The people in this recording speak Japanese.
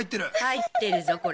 入ってるぞこれ。